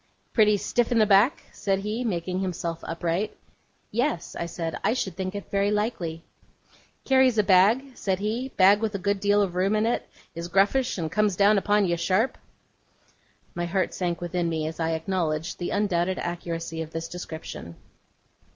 'Pretty stiff in the back?' said he, making himself upright. 'Yes,' I said. 'I should think it very likely.' 'Carries a bag?' said he 'bag with a good deal of room in it is gruffish, and comes down upon you, sharp?' My heart sank within me as I acknowledged the undoubted accuracy of this description.